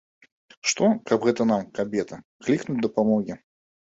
Што, каб гэта нам, кабета, клікнуць дапамогі.